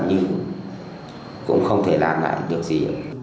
nhưng cũng không thể làm lại điều gì